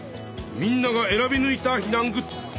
みんなが選びぬいた避難グッズ